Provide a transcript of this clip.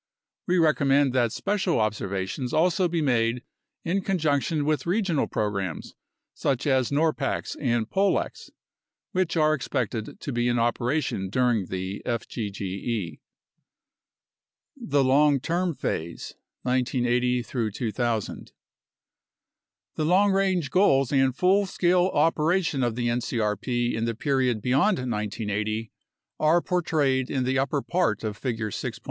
We recommend that special observations also be made in con junction with regional programs, such as norpax and polex, which are expected to be in operation during the fgge. The Long Term Phase (1980 2000) The long range goals and full scale operation of the ncrp in the period beyond 1980 are portrayed in the upper part of Figure 6.